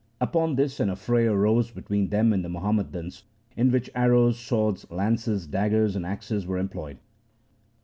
Upon this an affray arose between them and the Muhammadans, in which arrows, swords, lances, daggers, and axes were employed.